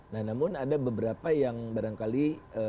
nah namun ada beberapa yang barangkali